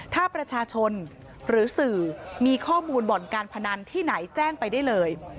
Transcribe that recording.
ถ้าประชาชนหรือสื่อมีข้อมูลบ่อนการพนันที่ไหนแจ้งไปได้เลย